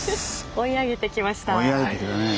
追い上げてきたね。